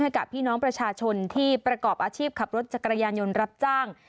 ให้กับพี่น้องประชาชนที่ประกอบอาชีพขับรถจักรยานยนต์รับจ้าง